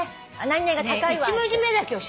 何々が高いわ！